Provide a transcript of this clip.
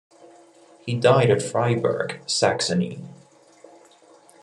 He died at Freiberg, Saxony.